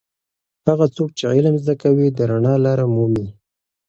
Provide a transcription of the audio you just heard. هغه څوک چې علم زده کوي د رڼا لاره مومي.